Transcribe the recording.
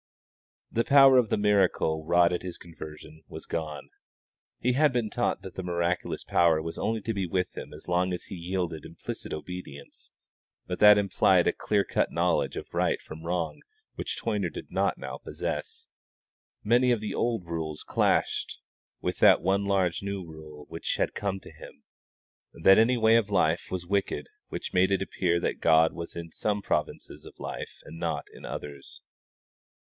The power of the miracle wrought at his conversion was gone; he had been taught that the miraculous power was only to be with him as long as he yielded implicit obedience, but that implied a clear cut knowledge of right from wrong which Toyner did not now possess; many of the old rules clashed with that one large new rule which had come to him that any way of life was wicked which made it appear that God was in some provinces of life and not in others.